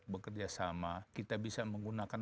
bekerja sama kita bisa menggunakan